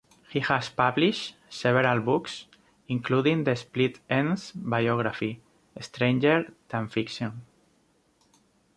He has published several books, including the Split Enz biography: "Stranger Than Fiction".